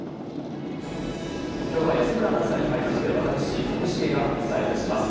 今日は安村アナウンサーに代わりまして私、上重がお伝えいたします。